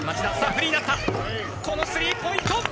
フリーになったこのスリーポイント決めた